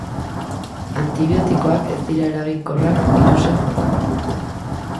Antibiotikoak ez dira eraginkorrak birusen aurka.